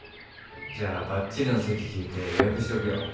じゃあばっちりの席聞いて予約しておくよ。